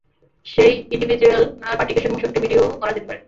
সেই individual পার্টিকেলের মোশনকে video করা যেতে পারে।